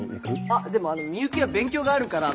あっでもあの美雪は勉強があるから。